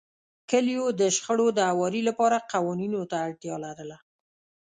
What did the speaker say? کلیو د شخړو د هواري لپاره قوانینو ته اړتیا لرله.